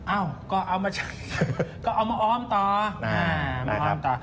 เอ้าก็เอามาออมต่อมาออมต่อ